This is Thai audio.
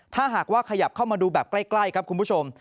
ถ้าหากว่าขยับเข้ามาดูแบบใกล้ครับคุณผู้ชม